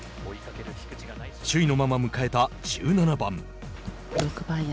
首位のまま迎えた１７番。